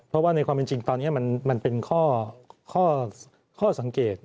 เพราะว่าในความเป็นจริงตอนนี้มันเป็นข้อสังเกต